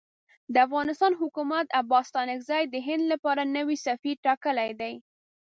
د افغانستان حکومت عباس ستانکزی د هند لپاره نوی سفیر ټاکلی دی.